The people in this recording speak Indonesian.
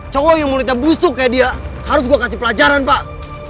cowok yang muridnya busuk kayak dia harus gue kasih pelajaran pak